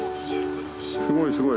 すごいすごい。